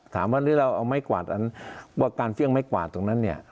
หรือเราเอาไม้กวาดอันว่าการเฟี่ยงไม้กวาดตรงนั้นเนี่ย